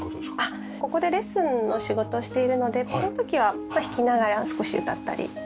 ここでレッスンの仕事をしているのでその時は弾きながら少し歌ったりっていう。